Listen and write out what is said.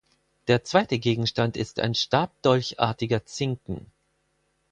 Der zweite Gegenstand ist ein stabdolchartiger Zinken.